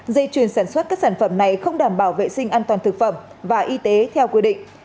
dây chuyền sản xuất các sản phẩm này không đảm bảo vệ sinh an toàn thực phẩm và y tế theo quy định